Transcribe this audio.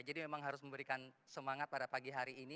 jadi memang harus memberikan semangat pada pagi hari ini